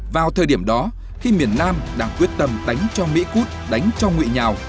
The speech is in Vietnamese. vào thời điểm đó khi miền nam đang quyết tâm đánh cho mỹ cút đánh cho nguyễn nhào